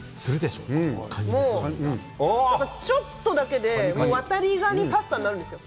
ちょっとだけでワタリガニパスタになるんですよ。